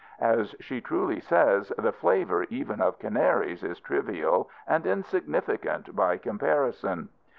As she truly says, the flavour even of canaries is trivial and insignificant by comparison."